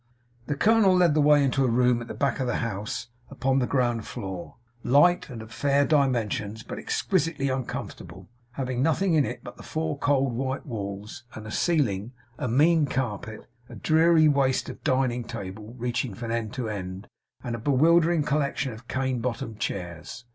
The colonel led the way into a room at the back of the house upon the ground floor, light, and of fair dimensions, but exquisitely uncomfortable; having nothing in it but the four cold white walls and ceiling, a mean carpet, a dreary waste of dining table reaching from end to end, and a bewildering collection of cane bottomed chairs.